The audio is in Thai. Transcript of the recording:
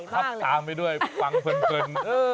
ให้เราก็คับตามไว้ด้วยฟังเพลิน